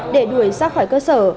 để đuổi ra khỏi cơ sở